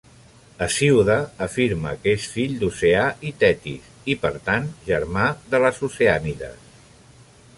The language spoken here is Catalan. Hesíode afirma que és fill d'Oceà i Tetis i, per tant, germà de les Oceànides.